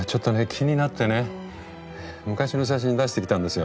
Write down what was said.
気になってね昔の写真出してきたんですよ。